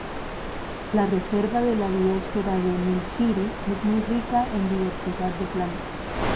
La reserva de la biosfera de Nilgiri es muy rica en diversidad de plantas.